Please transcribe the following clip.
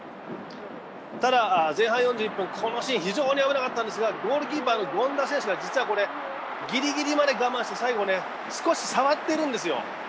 ただ前半４１分、このシーン非常に危なかったんですがゴールキーパーの権田選手がギリギリまで我慢して、最後これ、少し触ってるんですよ。